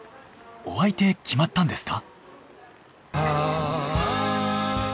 お相手決まったんですか？